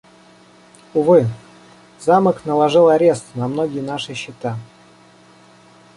Увы, Замок наложил арест на многие наши счета.